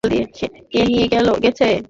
কে নিয়ে গেছে?